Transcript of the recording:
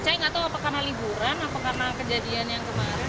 saya nggak tahu apa karena liburan apa karena kejadian yang kemarin